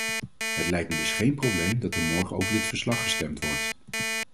Het lijkt me dus geen probleem dat er morgen over dit verslag gestemd wordt.